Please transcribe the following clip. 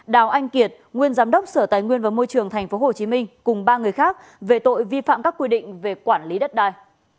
đào anh kiệt nguyên giám đốc sở tài nguyên và môi trường tp hcm cùng ba người khác về tội vi phạm các quy định về quản lý đất đai